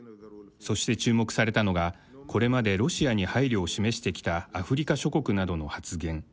そして注目されたのがこれまでロシアに配慮を示してきたアフリカ諸国などの発言。